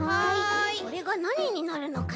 これがなにになるのかな？